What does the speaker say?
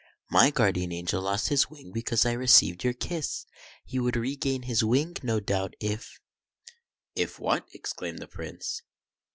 My Guardian Angel lost his wing because I received your kiss. He would regain his wing, no doubt, if "—" If what ?" exclaimed the Prince.